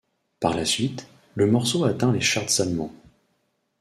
Par la suite, le morceau atteint les charts allemands.